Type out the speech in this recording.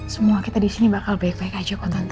semua kita di sini bakal baik baik aja